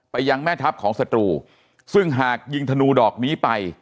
ยังแม่ทัพของศัตรูซึ่งหากยิงธนูดอกนี้ไป